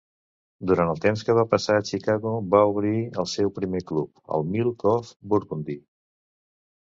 Durant el temps que va passar a Chicago va obrir el seu primer club, el Milk of Burgundy.